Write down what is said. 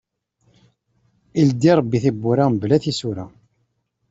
Ileddi Ṛebbi tibbura, mebla tisura.